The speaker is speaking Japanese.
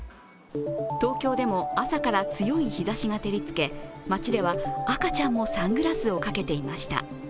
東京でも、朝から強い日ざしが照りつけ街では、赤ちゃんもサングラスをかけていました。